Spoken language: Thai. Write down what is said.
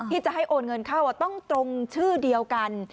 ที่จะให้โอนเงินเข้าต้องตรงชื่อเดียวกัน